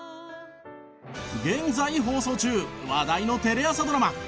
現在放送中話題のテレ朝ドラマ。